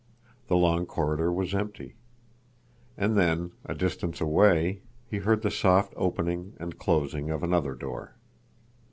The long corridor was empty. And then—a distance away—he heard the soft opening and closing of another door.